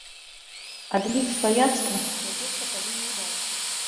Адлік сваяцтва вядзецца па лініі бацькі.